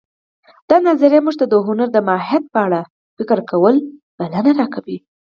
دا نظریه موږ ته د هنر د ماهیت په اړه فکر کولو بلنه راکوي